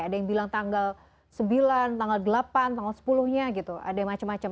ada yang bilang tanggal sembilan tanggal delapan tanggal sepuluh nya gitu ada yang macam macam